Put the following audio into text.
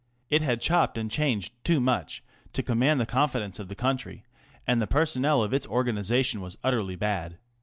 It had chopped and changed too much to command the confidence of the country, and the personnel of its organisation was utterly bad.